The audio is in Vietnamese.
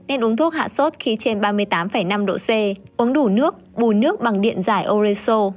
nên uống thuốc hạ sốt khi trên ba mươi tám năm độ c uống đủ nước bù nước bằng điện giải oreso